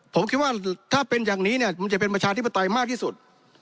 ผมคิดว่าถ้าเป็นอย่างนี้เนี่ยมันจะเป็นประชาธิปไตยมากที่สุด